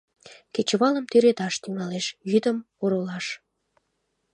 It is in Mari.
Кечывалым тӱредаш тӱҥалеш, йӱдым — оролаш!